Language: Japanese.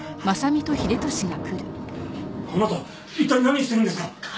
あなた一体何してるんですか！？